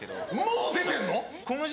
もう出てんの？